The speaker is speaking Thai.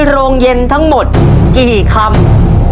โรงเย็นทั้งหมดกี่คำ